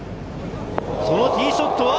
そのティーショットは。